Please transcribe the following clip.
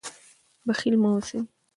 بخیل مه اوسئ.